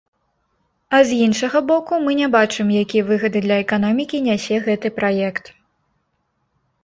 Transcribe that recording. А з іншага боку, мы не бачым, якія выгады для эканомікі нясе гэты праект.